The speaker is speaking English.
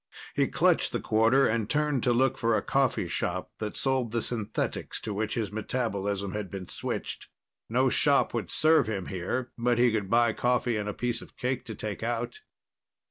He clutched the quarter and turned to look for a coffee shop that sold the synthetics to which his metabolism had been switched. No shop would serve him here, but he could buy coffee and a piece of cake to take out.